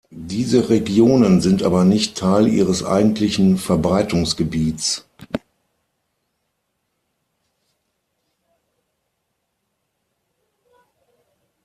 Diese Regionen sind aber nicht Teil ihres eigentlichen Verbreitungsgebiets.